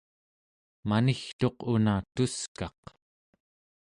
manigtuq una tuskaq